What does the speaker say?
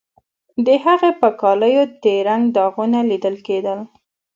د هغې په کالیو د رنګ داغونه لیدل کیدل